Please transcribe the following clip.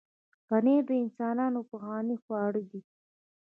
پنېر د انسانانو پخوانی خواړه دی.